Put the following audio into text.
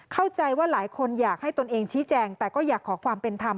เข้าใจว่าหลายคนอยากให้ตนเองชี้แจงแต่ก็อยากขอความเป็นธรรม